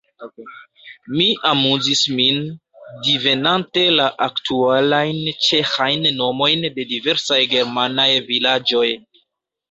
Mi amuzis min, divenante la aktualajn ĉeĥajn nomojn de diversaj germanaj vilaĝoj.